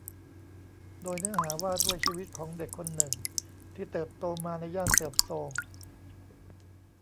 โดยเนื้อหาว่าด้วยชีวิตของเด็กคนหนึ่งที่เติบโตมาในย่านเสื่อมโทรม